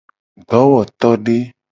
Dowotode.